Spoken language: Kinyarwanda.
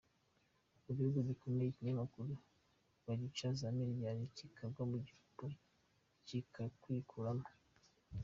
Mu bihugu bikomeye ikinyamakuru bagica za Miliyari kikagwa mu gihombo kitakwikuramo.